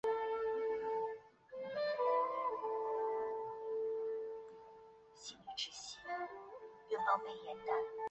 玎眼蝶属是蛱蝶科眼蝶亚科络眼蝶族中的一个属。